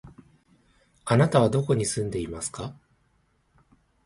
あなたはどこに住んでいますか？